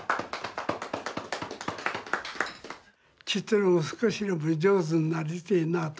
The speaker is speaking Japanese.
ちっとでも少しでも上手になりてえなと。